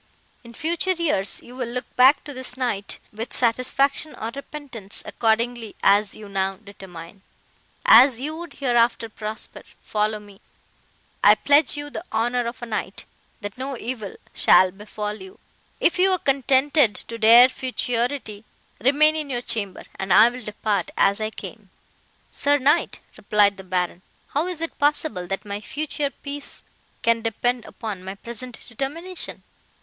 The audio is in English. In future years, you will look back to this night with satisfaction or repentance, accordingly as you now determine. As you would hereafter prosper—follow me; I pledge you the honour of a knight, that no evil shall befall you;—if you are contented to dare futurity—remain in your chamber, and I will depart as I came.' "'Sir knight,' replied the Baron, 'how is it possible, that my future peace can depend upon my present determination?